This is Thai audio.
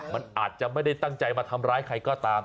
มันอาจจะไม่ได้ตั้งใจมาทำร้ายใครก็ตาม